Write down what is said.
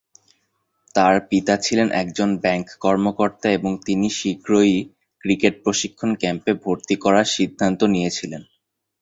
তার পিতা ছিলেন একজন ব্যাংক কর্মকর্তা এবং তিনি শীঘ্রই ক্রিকেট প্রশিক্ষণ ক্যাম্পে ভর্তি করার সিদ্ধান্ত নিয়েছিলেন।